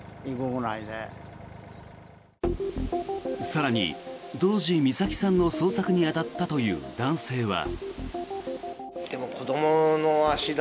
更に、当時、美咲さんの捜索に当たったという男性は。